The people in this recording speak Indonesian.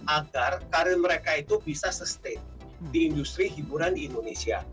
agar karir mereka itu bisa sustain di industri hiburan di indonesia